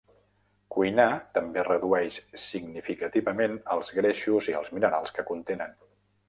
Cuinar també redueix significativament els greixos i els minerals que contenen.